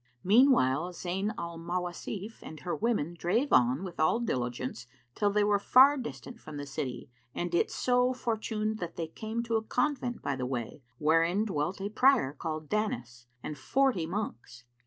Meanwhile Zayn al Mawasif and her women drave on with all diligence till they were far distant from the city and it so fortuned that they came to a convent by the way, wherein dwelt a Prior called Danis and forty monks.